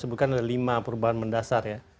sebutkan ada lima perubahan mendasar ya